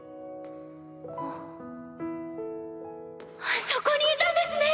あっそこにいたんですね